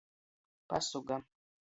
Pasuga.